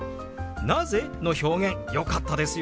「なぜ？」の表現よかったですよ！